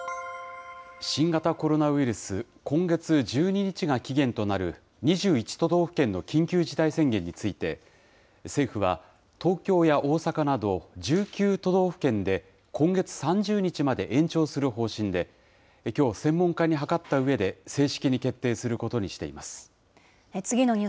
新型コロナウイルス、今月１２日が期限となる２１都道府県の緊急事態宣言について、政府は、東京や大阪など１９都道府県で、今月３０日まで延長する方針で、きょう、専門家に諮ったうえで、次のニュースです。